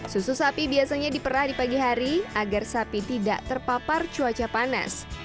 susu sapi biasanya diperah di pagi hari agar sapi tidak terpapar cuaca panas